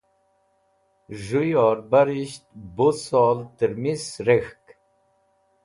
Z̃hũ yorbarisht bo sol tẽrmis rek̃hk.